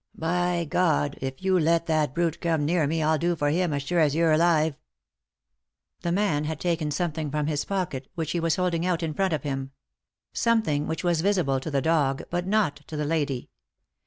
"By God, if you let that brute come near me I'll do for him as sure as you're alive." The man had taken something from his pocket, which he was holding out in front of him ; something which was visible to the dog but not to the lady.